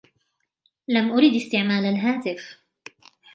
لم أرد استعمال الهاتف.